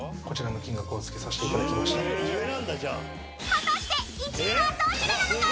［果たして１位はどちらなのか！？］